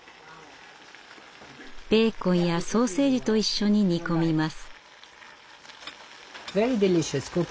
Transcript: ベーコンやソーセージと一緒に煮込みます。